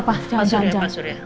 eh papa papa jangan jangan jangan